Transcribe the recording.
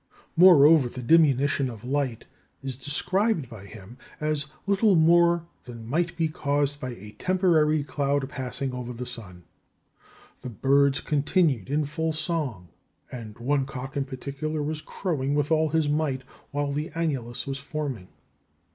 Moreover, the diminution of light is described by him as "little more than might be caused by a temporary cloud passing over the sun"; the birds continued in full song, and "one cock in particular was crowing with all his might while the annulus was forming."